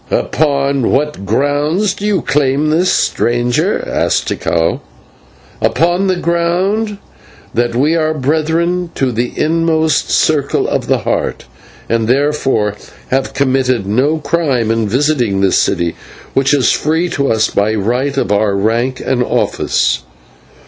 "Upon what grounds do you claim this, stranger?" asked Tikal. "Upon the ground that we are Brethren of the inmost circle of the Heart, and therefore have committed no crime in visiting this city, which is free to us by right of our rank and office."